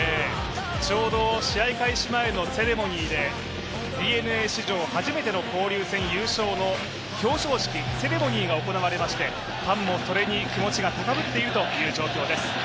ちょうど試合開始前のセレモニーでＤｅＮＡ史上初めての交流戦優勝の表彰式、セレモニーが行われましてファンもそれに気持ちが高ぶっているという状況です。